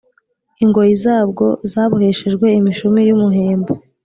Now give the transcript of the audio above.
ingoyi zabwo zaboheshejwe imishumi y’umuhemba